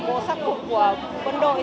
của sắc phục của quân đội